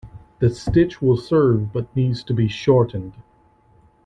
The stitch will serve but needs to be shortened.